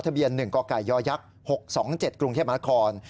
ทะเบียน๑กกย๖๒๗กรุงเทพมนาคม